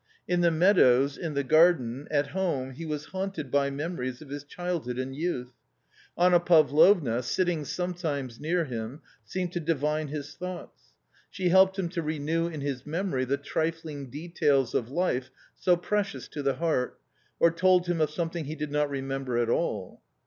In the meadows, in the garden, at home he was haunted by memories of his childhood and youth. Anna Pavlovna, sit ting sometimes near him, seemed to divine his thoughts. She helped him to renew in his memory the trifling details of life so precious to the heart, or told him of something he did not remember at all.